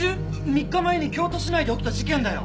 ３日前に京都市内で起きた事件だよ。